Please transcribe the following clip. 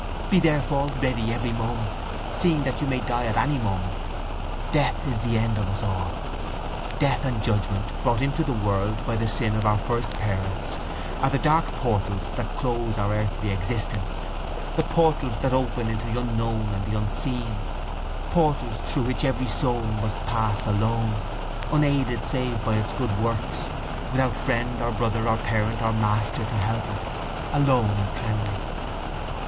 Be therefore ready every moment, seeing that you may die at any moment. Death is the end of us all. Death and judgement, brought into the world by the sin of our first parents, are the dark portals that close our earthly existence, the portals that open into the unknown and the unseen, portals through which every soul must pass, alone, unaided save by its good works, without friend or brother or parent or master to help it, alone and trembling.